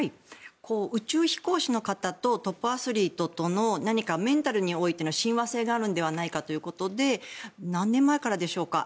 宇宙飛行士の方とトップアスリートとの何かメンタルにおいての親和性があるのではないかということで何年前からでしょうか。